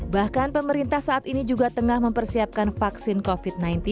bahkan pemerintah saat ini juga tengah mempersiapkan vaksin covid sembilan belas